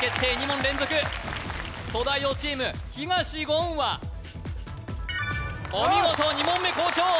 ２問連続東大王チーム東言はお見事２問目好調！